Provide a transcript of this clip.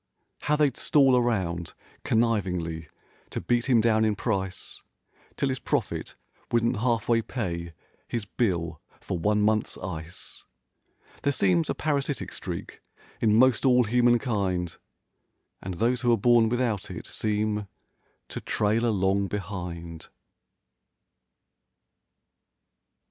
How they'd stall around, connivingly, to beat him down in price, 'Till his profit wouldn't half way pay his bill for one month's ice. There seems a parasitic streak, in most all human¬ kind— And those who're born without it seem to trail along behind.